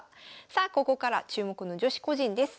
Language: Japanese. さあここから注目の女子個人です。